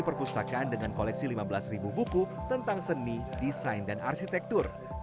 perpustakaan dengan koleksi lima belas buku tentang seni desain dan arsitektur